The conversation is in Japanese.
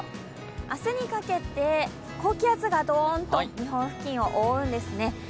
明日にかけて高気圧がドーンと日本付近を覆うんですね。